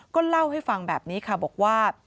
ก็เล่าให้ฟังแบบนี้ค่ะบอกว่า